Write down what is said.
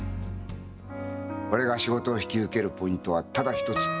俺が仕事を引き受けるポイントはただ１つ。